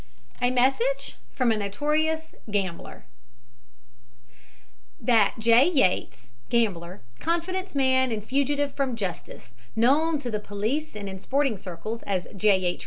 A MESSAGE FROM A NOTORIOUS GAMBLER That Jay Yates, gambler, confidence man and fugitive from justice, known to the police and in sporting circles as J. H.